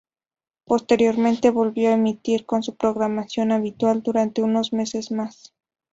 Posteriormente, volvió a emitir con su programación habitual durante unos meses más.